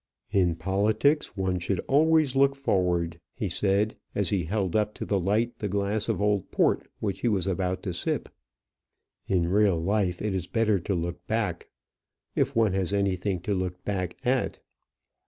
"In politics one should always look forward," he said, as he held up to the light the glass of old port which he was about to sip; "in real life it is better to look back, if one has anything to look back at."